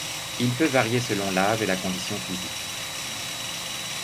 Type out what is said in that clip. Il peut varier selon l'âge et la condition physique.